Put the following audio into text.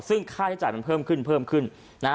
ซึ่งค่าใช้จ่ายมันเพิ่มขึ้นขึ้น